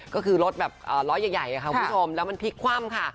ก็คือรถแบบล้อใหญ่ค่ะคุณผู้ชมแล้วมันพลิกคว่ำค่ะ